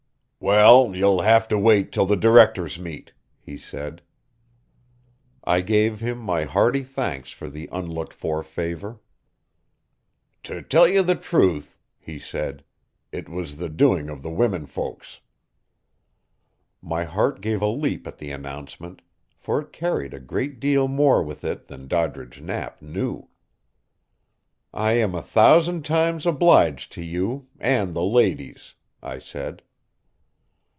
"Well, you'll have to wait till the directors meet," he said. I gave him my hearty thanks for the unlooked for favor. "To tell you the truth," he said, "it was the doing of the women folks." My heart gave a leap at the announcement, for it carried a great deal more with it than Doddridge Knapp knew. "I am a thousand times obliged to you and the ladies," I said.